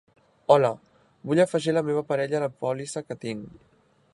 Hola, vull afegir la meva parella a la pòlissa que tinc.